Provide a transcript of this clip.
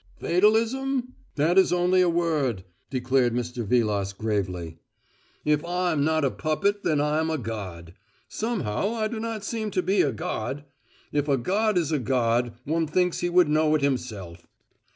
"Fatalism? That is only a word," declared Mr. Vilas gravely. "If I am not a puppet then I am a god. Somehow, I do not seem to be a god. If a god is a god, one thinks he would know it himself.